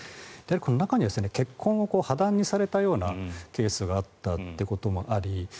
中には結婚を破談にされたようなケースがあったということもあり